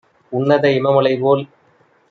உன்னத இம மலைபோல்